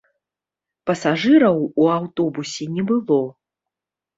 Пасажыраў у аўтобусе не было.